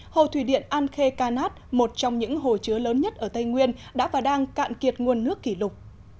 hồ thủy điện an khê canát một trong những hồ chứa lớn nhất ở tây nguyên đã và đang cạn kiệt nguồn nước kỷ lục